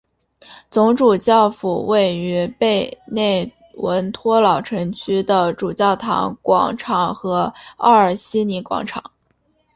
总主教府位于贝内文托老城区的主教座堂广场和奥尔西尼广场。